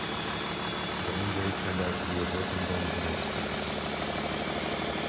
The injury turned out to be a broken bone in his foot.